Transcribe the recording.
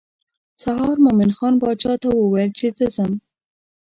سهار مومن خان باچا ته وویل چې زه ځم.